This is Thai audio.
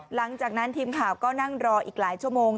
หลังจากนั้นทีมข่าวก็นั่งรออีกหลายชั่วโมง